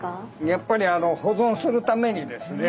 やっぱり保存するためにですね